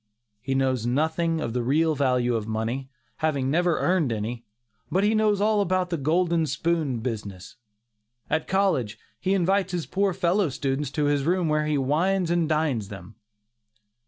He knows nothing of the real value of money, having never earned any; but he knows all about the "golden spoon" business. At college, he invites his poor fellow students to his room where he "wines and dines" them.